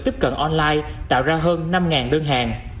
tiếp cận online tạo ra hơn năm đơn hàng